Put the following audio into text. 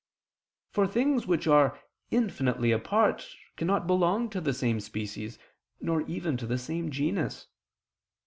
For things which are infinitely apart, cannot belong to the same species, nor even to the same genus.